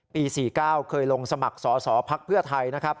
ปี๔๙มคอยลงสมัคสอสอพักเพื่อไทย